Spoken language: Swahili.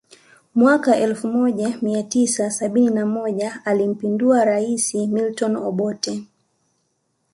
Mwaka elfu moja mia tisa sabini na moja alimpindua rais Milton Obote